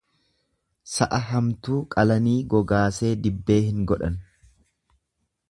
Sa'a hamtuu qalanii gogaasee dibbee hin godhan.